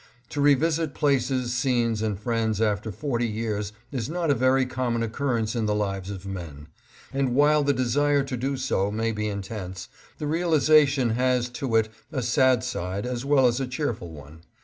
To revisit places, scenes, and friends after forty years is not a very common occurrence in the lives of men ; and while the desire to do so may be intense, the realiza tion has to it a sad side as well as a cheerful one.